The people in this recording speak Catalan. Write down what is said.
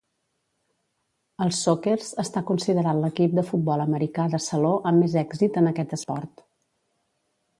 Els Sockers està considerat l'equip de futbol americà de saló amb més èxit en aquest esport.